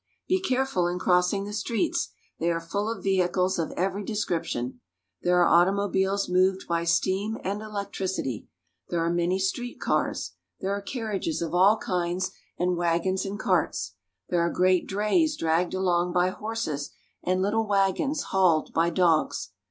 Be careful in crossing the streets. They are full of vehicles of every description. There are automobiles moved by steam and electricity. There are many street cars ; there are carriages of all kinds, and wagons and carts. There are great drays dragged along by horses, and little wagons hauled by dogs.